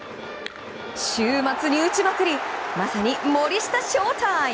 週末に打ちまくりまさに森下翔太イム！